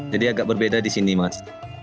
jadi agak berbeda di sini mas